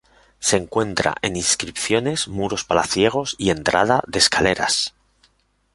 Se encuentra en inscripciones, muros palaciegos y entrada de escaleras.